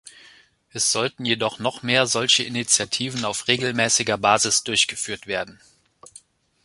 Es sollten jedoch noch mehr solche Initiativen auf regelmäßiger Basis durchgeführt werden.